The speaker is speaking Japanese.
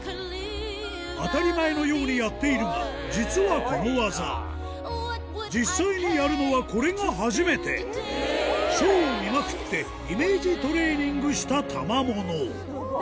当たり前のようにやっているが実はこの技実際にやるのはこれが初めてショーを見まくってイメージトレーニングしたたまもの